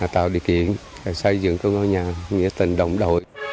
tạo điều kiện để xây dựng cái ngôi nhà nghĩa tình đồng đội